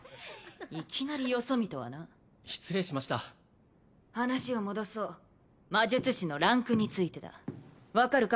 いきなりよそ見とはな失礼しました話を戻そう魔術師のランクについてだ分かるか？